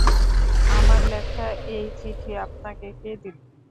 আমার লেখা এই চিঠি আপনাকে কে দিল?